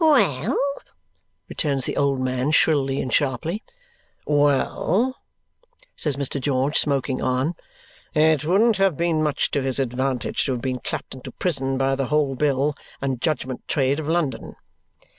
"Well?" returns the old man shrilly and sharply. "Well!" says Mr. George, smoking on. "It wouldn't have been much to his advantage to have been clapped into prison by the whole bill and judgment trade of London."